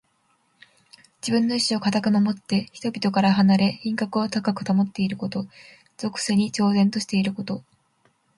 自分の意志をかたく守って、人々から離れ品格を高く保っていること。俗世に超然としていること。